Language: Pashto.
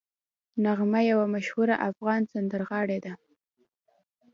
نغمه یوه مشهوره افغان سندرغاړې ده